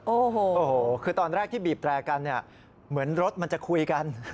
โอ้โหคือตอนแรกที่บีบแตรกันเนี่ยเหมือนรถมันจะคุยกัน